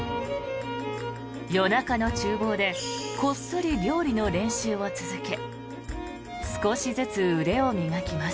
夜中の厨房でこっそり料理の練習を続け少しずつ腕を磨きます。